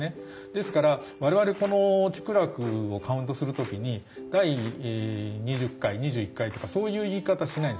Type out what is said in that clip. ですから我々この竹楽をカウントする時に第２０回２１回とかそういう言い方しないんですよ。